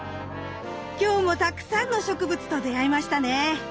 今日もたくさんの植物と出会えましたね。